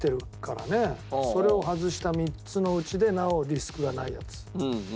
それを外した３つのうちでなおリスクがないやつ。